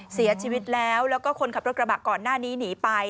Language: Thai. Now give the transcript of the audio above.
เสียชีวิตแล้วแล้วก็คนขับรถกระบะก่อนหน้านี้หนีไป